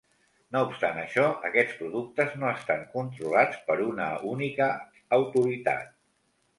No obstant això, aquests productes no estan controlats per una única autoritat.